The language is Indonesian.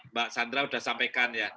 mbak sandra sudah sampaikan ya